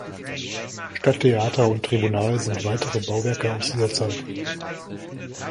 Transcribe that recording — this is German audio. Stadttheater und Tribunal sind weitere Bauwerke aus dieser Zeit.